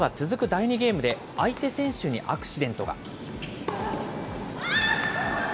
第２ゲームで、相手選手にアクシデントが。